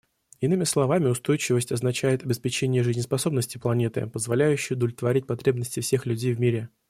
Иными словами, устойчивость означает обеспечение жизнеспособности планеты, позволяющей удовлетворять потребности всех людей в мире.